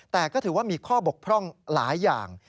แต่ก็ถือว่ามีข้อบกพร่องหลายอย่าง